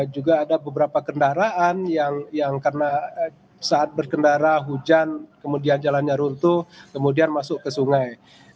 juga ada beberapa kendaraan yang karena saat berkendara hujan kemudian jalannya runtuh kemudian masuk ke sungai